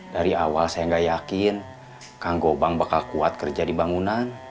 dari awal saya nggak yakin kang gobang bakal kuat kerja di bangunan